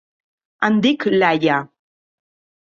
Em dic Laia.